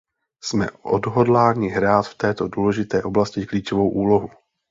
Jsme odhodláni hrát v této důležité oblasti klíčovou úlohu.